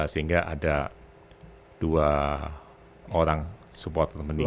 sehingga ada dua orang supporter meninggal